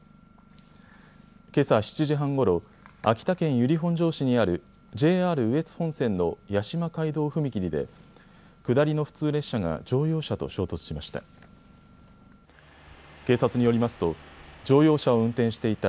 けさ７時半ごろ、秋田県由利本荘市にあるＪＲ羽越本線の矢島街道踏切で下りの普通列車が乗用車と衝突しました。